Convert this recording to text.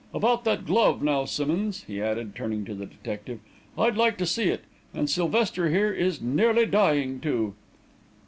About that glove, now, Simmonds," he added, turning to the detective. "I'd like to see it and Sylvester here is nearly dying to."